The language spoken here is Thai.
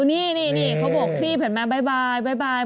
นี่เขาบอกพี่เหมือนแม่บ๊ายบาย